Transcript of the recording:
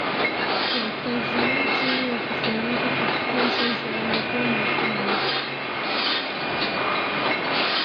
ya kazi hiyo chini ya Kusanyiko kufikia sasa yamekuwa makubwa